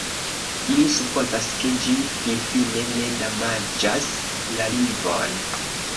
Mi supozas, ke ĝi finfine ne damaĝas la lingvon.